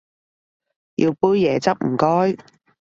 要杯椰汁唔該